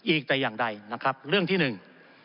อีกแต่อย่างใดนะครับเรื่องที่หนึ่ง